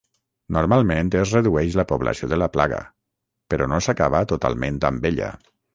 Normalment es redueix la població de la plaga però no s'acaba totalment amb ella.